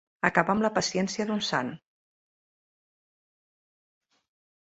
Acabar amb la paciència d'un sant.